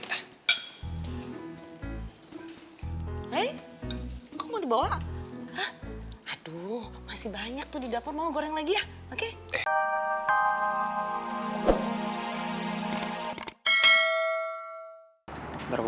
hei kamu mau dibawa aduh masih banyak tuh di dapur mau goreng lagi ya oke